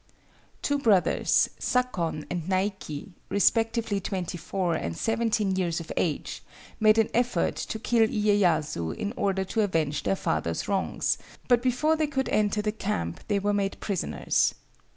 Two brothers, Sakon and Naiki, respectively twenty four and seventeen years of age, made an effort to kill Iyéyasu in order to avenge their father's wrongs; but before they could enter the camp they were made prisoners.